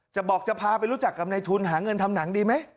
บอกจะพาไปรู้จักกับในทุนหาเงินทำหนังดีไหม